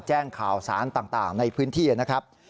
แจ้งข่าวสารต่างในพื้นที่นะครับ